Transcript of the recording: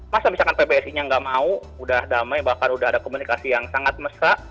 masa misalkan pbsi nya nggak mau udah damai bahkan udah ada komunikasi yang sangat mesra